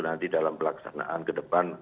nanti dalam pelaksanaan kedepan